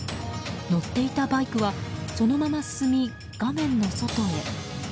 乗っていたバイクはそのまま進み、画面の外へ。